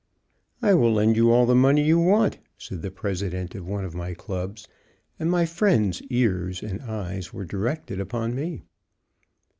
"I will lend you all the money you want," said the president of one of my clubs; and my "friend's" ears and eyes were directed upon me.